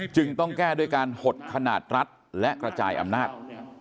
ต้องแก้ด้วยการหดขนาดรัฐและกระจายอำนาจ